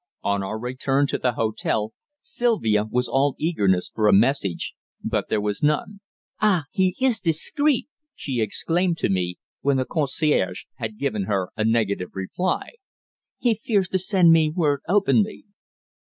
On our return to the hotel, Sylvia was all eagerness for a message, but there was none. "Ah! he is discreet!" she exclaimed to me, when the concierge had given her a negative reply. "He fears to send me word openly."